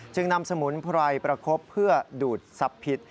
จึงนำสมุนไพรประคบเพื่อดูดซับผิด